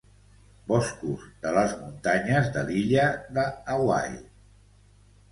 Boscos de les muntanyes de l'illa de Hawaii.